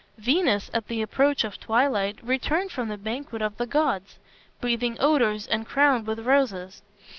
Venus at the approach of twilight returned from the banquet of the gods, breathing odors and crowned with roses.